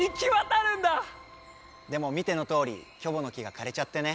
でも見てのとおりキョボの木がかれちゃってね。